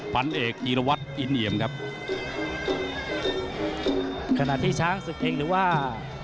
ฟันเอกธีรวัตรอินเอี่ยมครับขณะที่ช้างศึกคิงหรือว่า